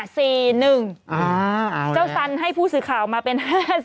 เจ้าสันให้ผู้สื่อข่าวมาเป็น๕๐